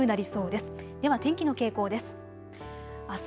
では天気の傾向です。